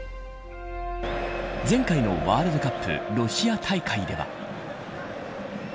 前回のワールドカップロシア大会では。